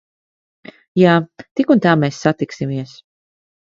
Jā. Tik un tā mēs satiksimies.